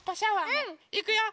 うん！いくよ！